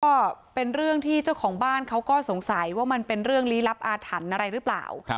ก็เป็นเรื่องที่เจ้าของบ้านเขาก็สงสัยว่ามันเป็นเรื่องลี้ลับอาถรรพ์อะไรหรือเปล่า